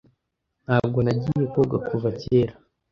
Ntabwo nagiye koga kuva kera.